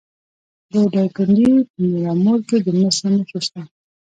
د دایکنډي په میرامور کې د مسو نښې شته.